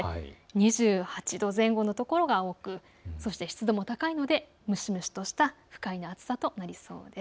２８度前後の所が多くそして湿度も高いので蒸し蒸しとした不快な暑さとなりそうです。